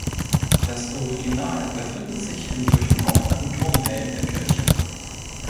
Das Original befindet sich im durchbrochenen Turmhelm der Kirche.